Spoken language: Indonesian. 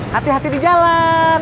hati hati di jalan